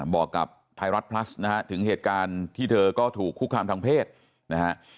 บอกกับไทยรัฐพลัสนะฮะถึงเหตุการณ์ที่เธอก็ถูกคุกคามทางเพศนะฮะ